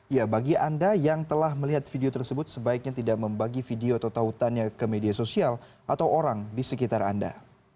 ya bagi anda yang telah melihat video tersebut sebaiknya tidak membagi video atau tautannya ke media sosial atau orang di sekitar anda